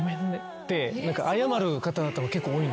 謝る方々も結構多い。